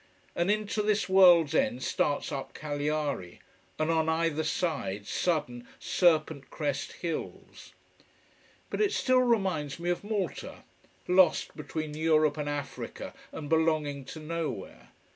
And into this world's end starts up Cagliari, and on either side, sudden, serpent crest hills. But it still reminds me of Malta: lost between Europe and Africa and belonging to nowhere.